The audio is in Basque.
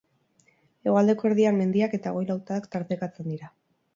Hegoaldeko erdian mendiak eta goi-lautadak tartekatzen dira.